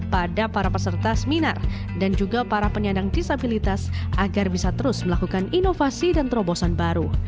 pada para peserta seminar dan juga para penyandang disabilitas agar bisa terus melakukan inovasi dan terobosan baru